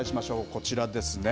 こちらですね。